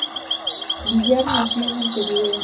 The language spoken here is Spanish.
Villar nació en Montevideo.